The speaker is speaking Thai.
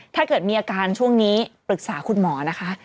ถ้าเกิดมีอาการช่วงนี้ปรึกษาคุณหมอนะคะ